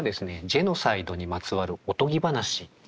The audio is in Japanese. ジェノサイドにまつわるおとぎ話というものです。